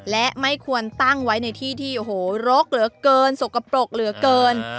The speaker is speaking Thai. และไม่ควรตั้งไว้ในที่ที่โอ้โหรกเหลือเกินสกปรกเหลือเกิน